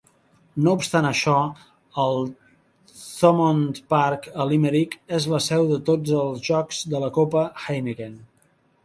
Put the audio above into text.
No obstant això, el Thomond Park, a Limerick, és la seu de tots els jocs de la Copa Heineken.